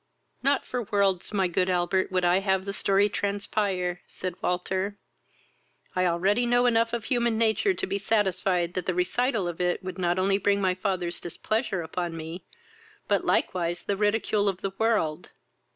"Not for worlds, my good Albert, would I have the story transpire! (said Walter.) I already know enough of human nature to be satisfied that the recital of it would not only bring my father's displeasure upon me, but likewise the ridicule of the world.